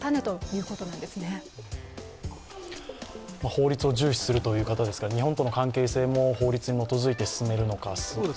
法律を重視するという方ですから日本との関係性も法律に基づいて進んでいくのかと。